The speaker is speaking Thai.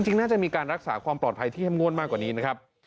จริงน่าจะมีการรักษาความปลอดภัยที่เข้มงวดมากกว่านี้นะครับ